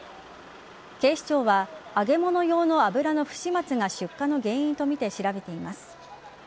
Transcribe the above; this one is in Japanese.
警視庁は揚げ物用の油の不始末が出火の原因とみて調べています。